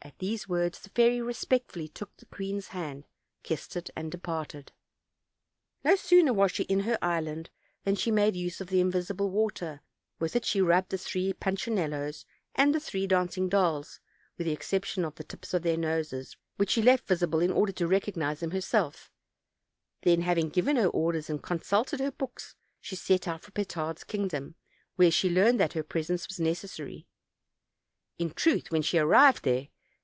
At these words the fairy respectfully took the queen's hand, kissed it, and departed. No sooner was she in her island than she made use of the invisible water. With it she rubbed the three pun chinellos and the three dancing dolls, with the exception of the tips of their noses, which she left visible in order to recognize them herself; then, having given her orders and consulted her books, she set out for Petard's king dom, where she learned that her presence was necessary. In truth, when she arrived there.